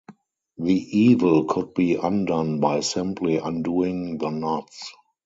The evil could be undone by simply undoing the knots.